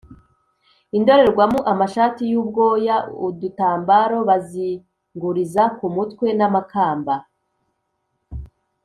, indorerwamo, amashati y’ubwoya, udutambaro bazinguriza ku mutwe n’amakamba.